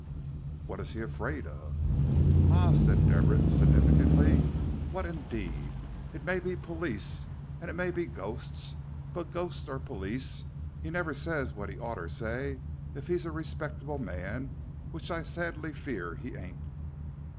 "What is he afraid of?" "Ah," said Deborah, significantly, "what indeed? It may be police and it may be ghosts, but, ghosts or police, he never ses what he oughter say if he's a respectable man, which I sadly fear he ain't."